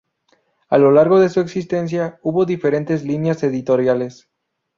A lo largo de su existencia hubo diferentes líneas editoriales.